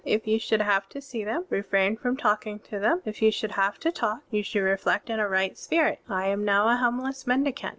^ [If you shotdd have tp see them], refrain from talking to them. [If you should have to talk], you should reflect in a right spirit: *I am now a homeless mendicant.